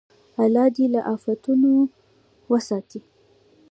الله دې له افتونو وساتي.